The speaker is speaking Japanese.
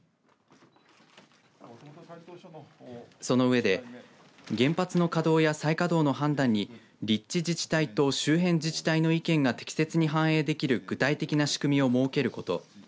その上で原発の稼働や再稼働の判断に立地自体と周辺自治体の意見が適切に反映できる具体的な仕組みを設けること。